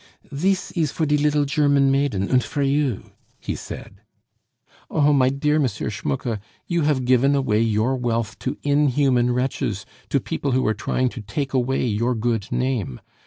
"Thees ees for die liddle German maiden und for you," he said. "Oh! my dear M. Schmucke, you have given away your wealth to inhuman wretches, to people who are trying to take away your good name.